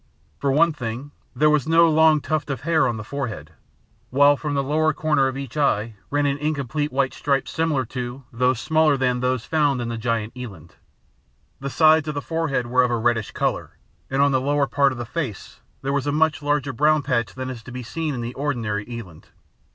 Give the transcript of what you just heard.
For one thing, there was no long tuft of hair on the forehead, while from the lower corner of each eye ran an incomplete white stripe similar to, though smaller than, those found in the giant eland. The sides of the forehead were of a reddish colour, and on the lower part of the face there was a much larger brown patch than is to be seen on the ordinary eland.